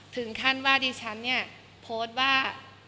ถึงขั้นว่าดิฉันโพสต์ว่า